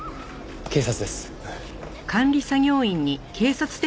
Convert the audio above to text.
警察です。